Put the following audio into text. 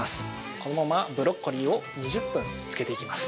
このままブロッコリーを２０分漬けていきます。